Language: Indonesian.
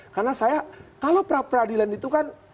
karena saya kalau peradilan itu kan